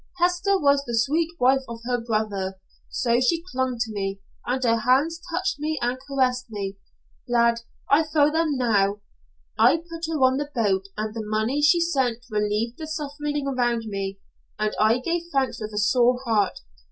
Hester was the sweet wife of her brother. So she clung to me, and her hands touched me and caressed me lad, I feel them now. I put her on the boat, and the money he sent relieved the suffering around me, and I gave thanks with a sore heart.